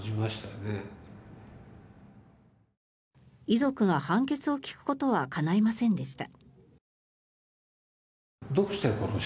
遺族が判決を聞くことはかないませんでした。